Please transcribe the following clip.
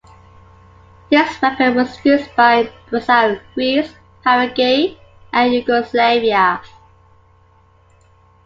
This weapon was used by Brazil, Greece, Paraguay, and Yugoslavia.